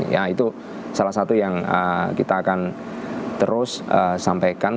ya itu salah satu yang kita akan terus sampaikan